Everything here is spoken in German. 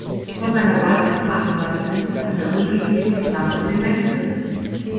Vor seiner Wahl zum Papst war er Priester an der römischen Kirche San Clemente.